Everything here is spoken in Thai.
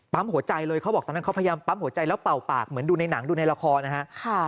หัวใจเลยเขาบอกตอนนั้นเขาพยายามปั๊มหัวใจแล้วเป่าปากเหมือนดูในหนังดูในละครนะฮะ